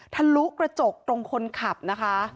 ทะลุกระจกตรงคนขับนะคะ